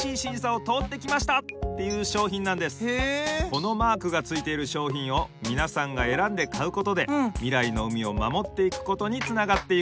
このマークがついているしょうひんをみなさんがえらんでかうことでみらいの海をまもっていくことにつながっていくのです。